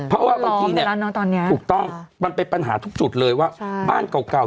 เพราะว่าบางทีเนี่ยตอนนี้ถูกต้องมันเป็นปัญหาทุกจุดเลยว่าบ้านเก่า